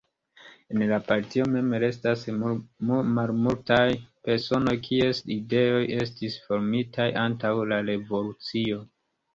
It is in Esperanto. En la Partio mem restas malmultaj personoj kies ideoj estis formitaj antaŭ la Revolucio.